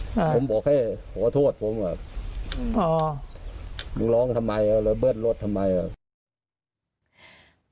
ผมบอกให้โทษผมแหละมึงร้องทำไมหรือเบื้ดรถทำไมอ่ะพอ